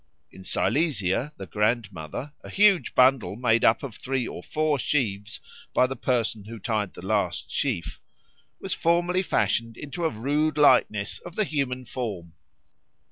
In Silesia the Grandmother a huge bundle made up of three or four sheaves by the person who tied the last sheaf was formerly fashioned into a rude likeness of the human form.